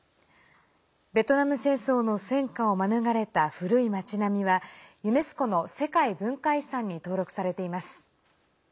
ベトナム戦争の戦禍を免れた古い町並みはユネスコの世界文化遺産に登録されています。